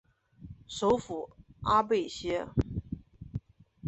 首府阿贝歇。